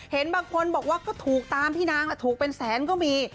เห็นบางคนบอกว่าก็ถูกตามพี่นางถูกเป็นแสนก็มี